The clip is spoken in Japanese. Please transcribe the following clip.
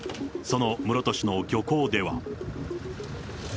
その室戸市の漁港では。